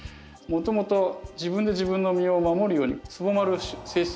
もともと自分で自分の身を守るようにつぼまる性質があるんですよね。